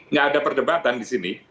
nggak ada perdebatan di sini